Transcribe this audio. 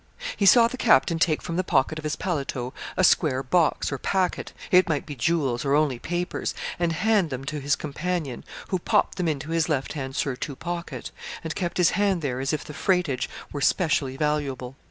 He saw the captain take from the pocket of his paletot a square box or packet, it might be jewels or only papers, and hand them to his companion, who popped them into his left hand surtout pocket, and kept his hand there as if the freightage were specially valuable.